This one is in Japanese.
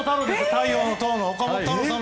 太陽の塔の岡本太郎さん